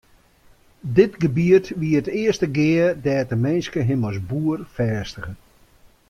Dit gebiet wie it earste gea dêr't de minske him as boer fêstige.